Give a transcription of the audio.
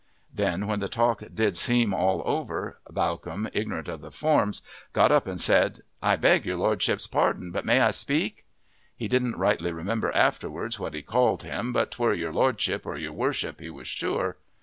Then when the talk did seem all over, Bawcombe, ignorant of the forms, got up and said, "I beg your lordship's pardon, but may I speak?" He didn't rightly remember afterwards what he called him, but 'twere your lordship or your worship, he was sure.